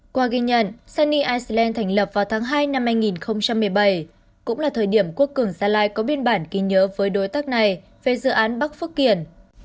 qua ghi nhận sunny iceland thành lập vào tháng hai năm hai nghìn một mươi bảy cũng là thời điểm quốc cường gia lai có biên bản ghi nhớ với đối tác này về dự án bắc phước kiển